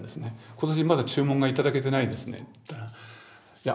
今年まだ注文が頂けてないですねって言ったらいや